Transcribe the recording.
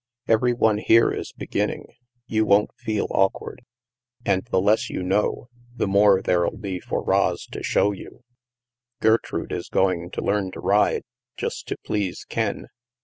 Every one here is beginning; you won't feel awkward. And the less you know, the more there'll be for Ros to show 230 THE MASK you. Gertrude is going to learn to ride, just to please Ken."